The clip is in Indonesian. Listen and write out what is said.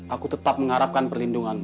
aku tetap mengharapkan perlindunganmu